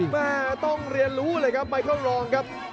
แม่ต้องเรียนรู้เลยครับไมเคิลรองครับ